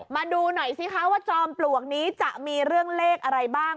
มาดูหน่อยสิคะว่าจอมปลวกนี้จะมีเรื่องเลขอะไรบ้าง